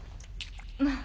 まあ。